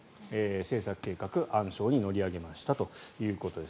制作計画、暗礁に乗り上げましたということです。